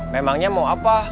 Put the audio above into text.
memangnya mau apa